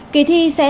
kỳ thi sẽ diễn ra